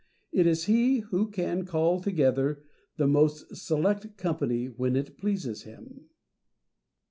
It is he who can call together the most select company when it pleases him.